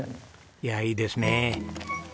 いやいいですね。